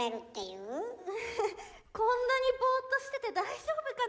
うんこんなにボーっとしてて大丈夫かな。